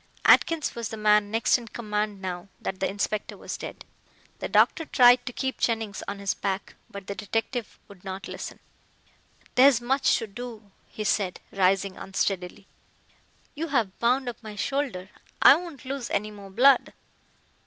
Atkins was the man next in command now that the inspector was dead. The doctor tried to keep Jennings on his back, but the detective would not listen. "There is much to do," he said, rising unsteadily. "You have bound up my shoulder. I won't lose any more blood."